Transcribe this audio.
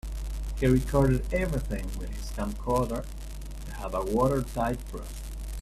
He recorded everything with his camcorder to have a watertight proof.